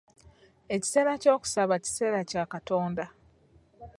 Ekiseera ky'okusaba kiseera kya Katonda.